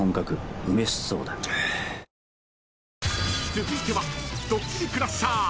［続いては］